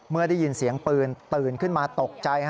เมื่อได้ยินเสียงปืนตื่นขึ้นมาตกใจ